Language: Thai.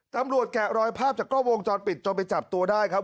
แกะรอยภาพจากกล้องวงจรปิดจนไปจับตัวได้ครับ